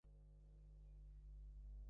বাবা, মা ও তোমরা সকলে আমার ভালবাসা জানবে।